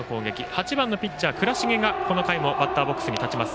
８番のピッチャー、倉重がこの回もバッターボックスに立ちます。